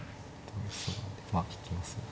まあ引きますよね。